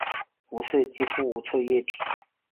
无色几乎无臭液体。